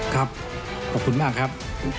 ครับขอบคุณมากครับ